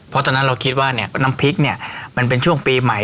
เพราะตอนนั้นเราคิดว่าเนี่ยน้ำพริกเนี่ยมันเป็นช่วงปีใหม่